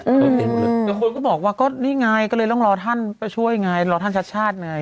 คือคนก็บอกว่าก็นี่ไงก็เลยต้องรอท่านก็ช่วยไงรอท่านชัดชาติไง